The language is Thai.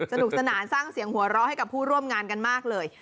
สนุกสนานสร้างเสียงหัวเราะให้กับผู้ร่วมงานกันมากเลย